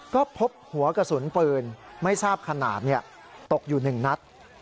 ก็พบหัวกระสุนปืนไม่ทราบขนาดตกอยู่๑นัด